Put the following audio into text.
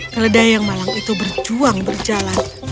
keledai yang malang itu berjuang berjalan